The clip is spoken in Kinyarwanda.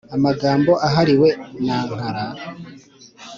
amagambo ahariwe nankana.